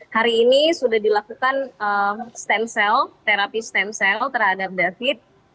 hari ini sudah dilakukan stem cell terapi stem cell terhadap david